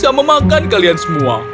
kau tidak sangka aku ini kalian semua